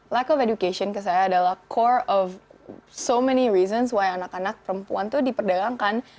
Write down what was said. lack of education ke saya adalah core of so many reasons why anak anak perempuan itu diperdagangkan